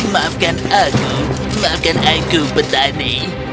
maafkan aku maafkan aku petani